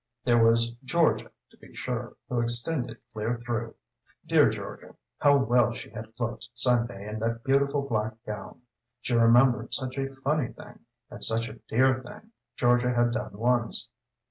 There was Georgia, to be sure, who extended clear through. Dear Georgia how well she had looked Sunday in that beautiful black gown. She remembered such a funny thing, and such a dear thing, Georgia had done once.